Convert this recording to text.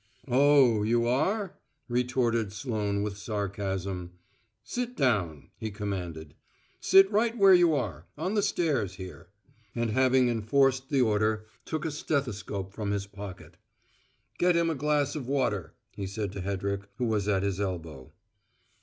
"Oh, you are?" retorted Sloane with sarcasm. "Sit down," he commanded. "Sit right where you are on the stairs, here," and, having enforced the order, took a stethoscope from his pocket. "Get him a glass of water," he said to Hedrick, who was at his elbow.